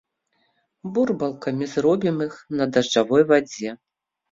Бурбалкамі зробім іх на дажджавой вадзе.